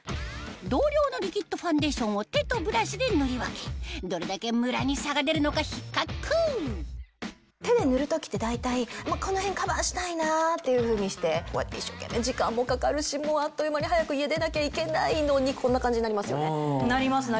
同量のリキッドファンデーションを手とブラシで塗り分けどれだけムラに差が出るのか比較手で塗る時って大体この辺カバーしたいなっていうふうにしてこうやって一生懸命時間もかかるしあっという間に早く家出なきゃいけないのにこんな感じになりますよね。